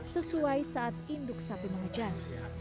sesuai saat induk sapi mengejar